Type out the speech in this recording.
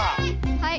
はい。